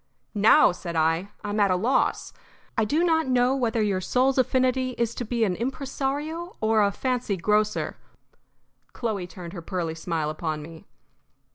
"Now," said I, "I am at a loss. I do not know whether your soul's affinity is to be an impresario or a fancy grocer." Chloe turned her pearly smile upon me.